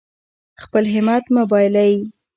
خپل همت مه بایلئ.